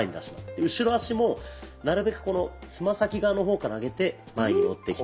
で後ろ足もなるべくこのつま先側の方から上げて前に持ってきて。